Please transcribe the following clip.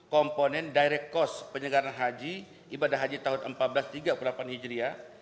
komponen direct cost penyegaran haji ibadah haji tahun seribu empat ratus tiga puluh delapan hijriah